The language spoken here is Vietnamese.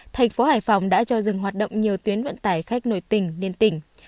thành phố hải phòng đã cho dừng hoạt động nhiều tuyến vận tải khách nội tỉnh liên tỉnh